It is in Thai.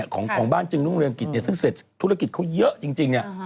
ของบ้านจึงรุ่งเรืองกิจสิซึ่งเศษฐุลกิจเขาเยอะจริง